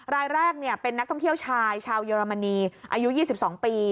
รายแรกเป็นนักท่องเที่ยวชายชาวเยอรมนีอายุ๒๒ปี